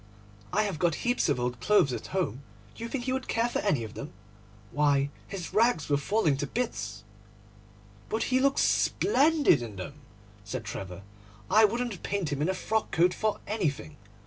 I have got heaps of old clothes at home—do you think he would care for any of them? Why, his rags were falling to bits.' 'But he looks splendid in them,' said Trevor. 'I wouldn't paint him in a frock coat for anything.